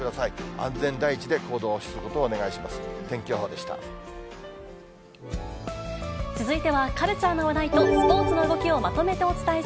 安全第一で行動することをお願いします。